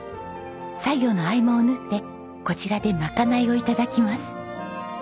作業の合間を縫ってこちらでまかないを頂きます。